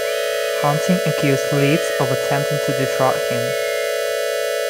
Hunting accused Leeds of attempting to defraud him.